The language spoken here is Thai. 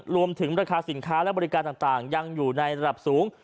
รวมถึงราคาสินค้าและบริการต่างยังอยู่ในระดับสูง